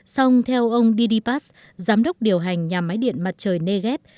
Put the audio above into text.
xong theo ông didi paz giám đốc điều hành nhà máy điện mặt trời negev